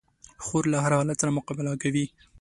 خور له هر حالت سره مقابله کوي.